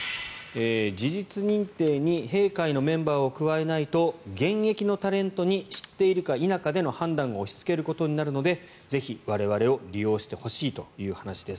事実認定に弊会のメンバーをくわえないと現役のタレントに知っているか否かでの判断を押しつけることになるのでぜひ我々を利用してほしいという話です。